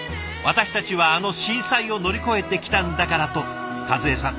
「私たちはあの震災を乗り越えてきたんだから」と和江さん。